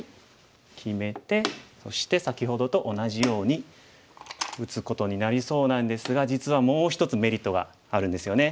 決めてそして先ほどと同じように打つことになりそうなんですが実はもう一つメリットがあるんですよね。